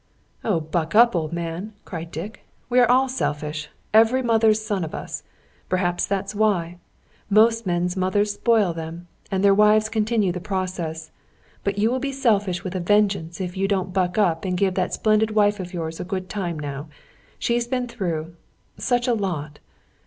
"Oh, buck up old man!" cried Dick. "We are all selfish every mother's son of us! Perhaps that's why! Most men's mothers spoil them, and their wives continue the process. But you will be selfish with a vengeance, if you don't buck up and give that splendid wife of yours a good time now. She has been through such a lot.